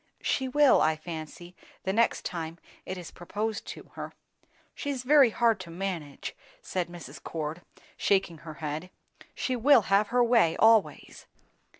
"She will, I fancy, the next time it is proposed to her." "She's very hard to manage," said Mrs. Cord, shaking her head. "She will have her own way, always."